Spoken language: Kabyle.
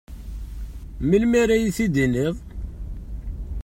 Melmi ara iyi-t-id-tiniḍ?